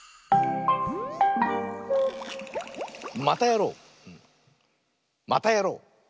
「またやろう！またやろう！」。